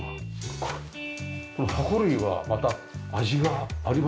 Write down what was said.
この箱類はまた味がありますね。